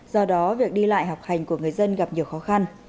do đó việc đi lại học hành của người dân gặp nhiều khó khăn